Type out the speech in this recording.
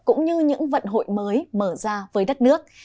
cũng như những vận hội mới mở ra với đất nước